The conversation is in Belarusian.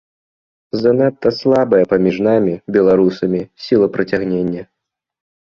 Занадта слабая паміж намі, беларусамі, сіла прыцягнення.